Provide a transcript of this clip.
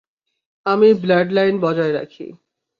আমি ব্লাডলাইন বজায় রাখি।